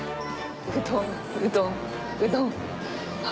うどんうどんうどん。